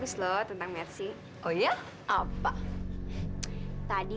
ini udah berkali kali